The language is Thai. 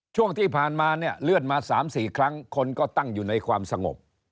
ช่วงที่ผ่านมาเนี่ยเลื่อนมา๓๔ครั้งคนก็ตั้งอยู่ในความสงบ